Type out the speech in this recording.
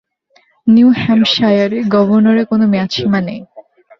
New হ্যাম্পশায়ারে গভর্নরের কোনো মেয়াদসীমা নেই।